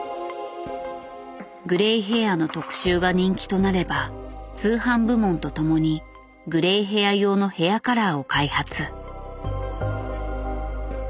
グレイヘアの特集が人気となれば通販部門と共にグレイヘア用のヘアカラーを開発。